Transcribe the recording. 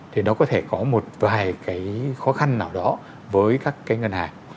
thì nó có thể có một vài cái khó khăn nào đó với các cái ngân hàng